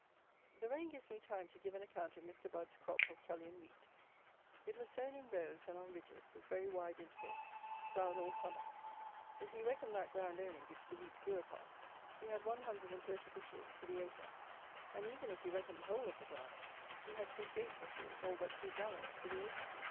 The rain gives me time to give an account of Mr. Budd's crop of Tullian Wheat. It was sown in rows and on ridges, with very wide intervals, ploughed all summer. If he reckon that ground only which the wheat grew upon, he had one hundred and thirty bushels to the acre; and even if he reckoned the whole of the ground, he had 28 bushels all but two gallons to the acre!